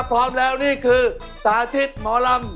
พร้อมแล้วนี่คือสาธิตหมอลำ